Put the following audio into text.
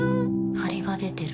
ハリが出てる。